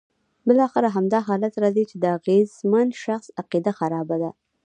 بالاخره همدا حالت راځي چې د اغېزمن شخص عقیده خرابه ده.